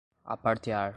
apartear